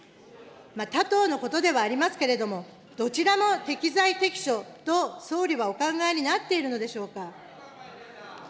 他党のことではありますけれども、どちらも適材適所と総理はお考えになっているのでしょうか。